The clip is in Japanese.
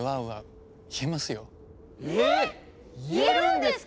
えっ言えるんですか